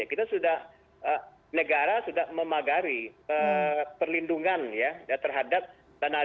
kita sudah negara sudah memagari perlindungan terhadap dana dana